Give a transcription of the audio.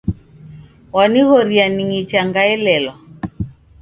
Wanighoria ningicha ngaelelwa